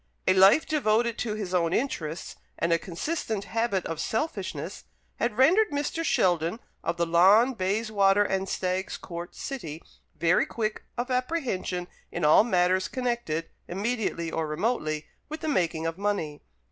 A life devoted to his own interests, and a consistent habit of selfishness, had rendered Mr. Sheldon, of the Lawn, Bayswater, and Stags Court, City, very quick of apprehension in all matters connected, immediately or remotely, with the making of money.